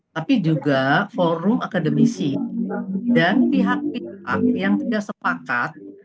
tapi juga forum akademisi dan pihak pihak yang tidak sepakat